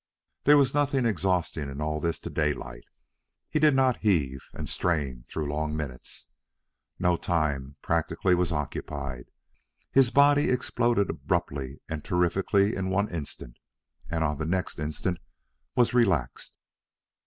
There was nothing exhausting in all this to Daylight. He did not heave and strain through long minutes. No time, practically, was occupied. His body exploded abruptly and terrifically in one instant, and on the next instant was relaxed.